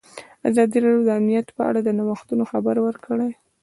ازادي راډیو د امنیت په اړه د نوښتونو خبر ورکړی.